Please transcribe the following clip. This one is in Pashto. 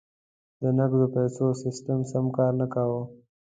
د نغدو پیسو سیستم سم کار نه کاوه.